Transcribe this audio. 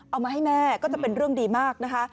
เอามาให้แม่ก็จะเป็นเรื่องดีมากนะคะ